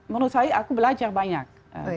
menurut saya aku belajar banyak